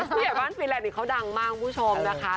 ผู้ใหญ่บ้านฟรีแลนดนี่เขาดังมากคุณผู้ชมนะคะ